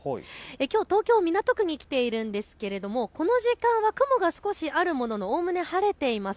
きょう東京都港区に来ているんですが、この時間は雲が少しあるもののおおむね晴れています。